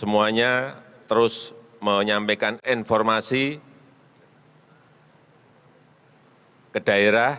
semuanya terus menyampaikan informasi ke daerah